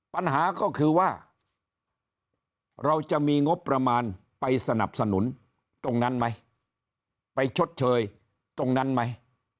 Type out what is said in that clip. ปัญหาก็คือว่าเราจะมีงบประมาณไปสนับสนุนตรงนั้นไหมไปชดเชยตรงนั้นไหม